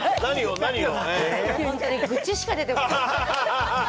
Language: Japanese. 本当に愚痴しか出てこない。